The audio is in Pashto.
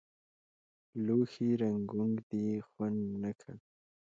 لوښي رنګونک دي خوند نۀ که